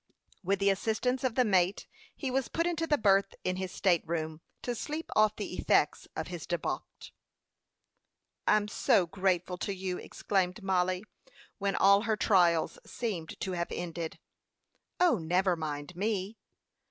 With the assistance of the mate he was put into the berth in his state room, to sleep off the effects of his debauch. "I'm so grateful to you!" exclaimed Mollie, when all her trials seemed to have ended. "O, never mind me."